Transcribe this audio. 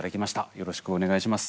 よろしくお願いします！